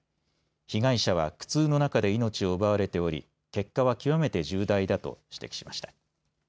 被害者は苦痛の中で命を奪われており結果は極めて重大だと指摘しました。